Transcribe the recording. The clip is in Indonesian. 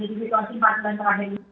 jadi situasi empat bulan terakhir ini